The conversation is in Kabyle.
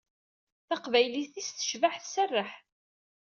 Taqbaylit-is tecbeḥ, tserreḥ.